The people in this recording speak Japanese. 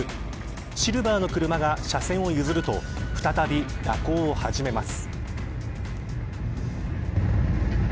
シルバーの車が車線を譲ると再び蛇行を始めます。